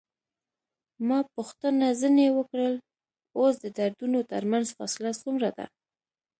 ما پوښتنه ځنې وکړل: اوس د دردونو ترمنځ فاصله څومره ده؟